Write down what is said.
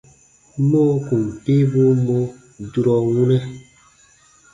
Mɔɔ kùn piibuu mɔ durɔ wunɛ: